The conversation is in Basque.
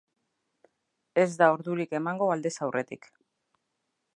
Ez da ordurik emango aldez aurretik.